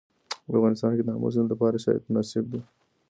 په افغانستان کې د آمو سیند لپاره شرایط مناسب دي.